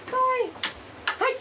はい！